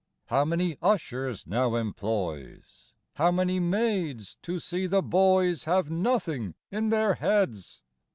How many ushers now employs, How many maids to see the boys Have nothing in their heads!